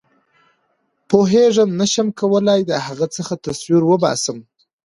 پوهېږم نه شم کولای د هغه څه تصویر وباسم.